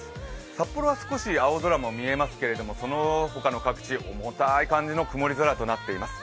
札幌は少し青空も見えますけれども、その他の各地、重たい感じの曇り空となっています。